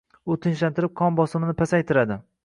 U tinchlantirib, qon bosimini pasaytiradi.